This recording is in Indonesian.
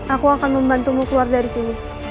aku akan membantumu keluar dari sini